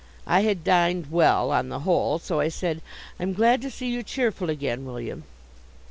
I had dined well, on the whole, so I said: "I am glad to see you cheerful again, William."